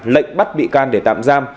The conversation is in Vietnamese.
lệnh bắt bị can để tạm giam